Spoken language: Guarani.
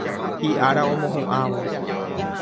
Hi'ára omohu'ãvo.